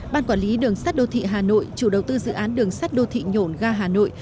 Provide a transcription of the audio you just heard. ban quản lý đường sắt đô thị hà nội chủ đầu tư dự án đường sắt đô thị nhổn ga hà nội